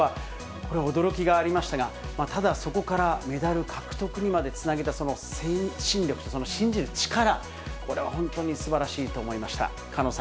これ、驚きがありましたが、ただそこからメダル獲得にまでつなげた、その精神力、信じる力、これは本当にすばらしいと思いました。